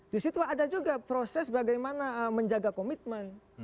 di situ ada juga proses bagaimana menjaga komitmen